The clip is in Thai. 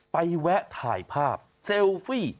แวะถ่ายภาพเซลฟี่